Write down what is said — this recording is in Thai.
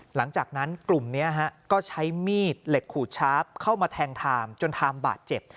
หลังจากนั้นกลุ่มนี้ก็ใช้มีดเหล็กขูดชาร์ฟเข้ามาแทงทามจนทามบาดเจ็บ